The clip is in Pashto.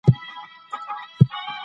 درد مخنیوي درمل اغېزمن دي.